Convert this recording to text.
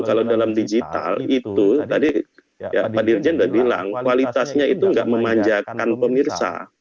kalau dalam digital itu tadi pak dirjen sudah bilang kualitasnya itu nggak memanjakan pemirsa